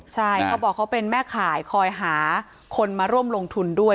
ใช่เขาบอกเขาเป็นแม่ข่ายคอยหาคนมาร่วมลงทุนด้วย